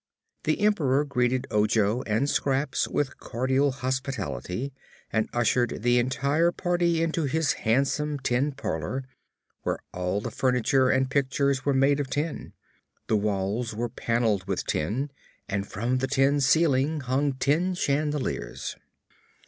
The Emperor greeted Ojo and Scraps with cordial hospitality and ushered the entire party into his handsome tin parlor, where all the furniture and pictures were made of tin. The walls were paneled with tin and from the tin ceiling hung tin chandeliers.